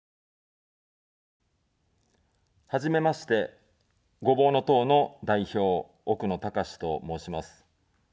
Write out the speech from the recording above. はじめまして、ごぼうの党の代表、奥野卓志と申します。